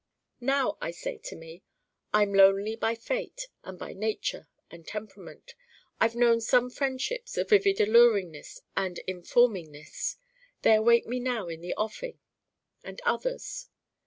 Now I say to me: 'I'm lonely by fate and by nature and temperament. I've known some friendships of vivid alluringness and informingness they await me now in the offing. And others.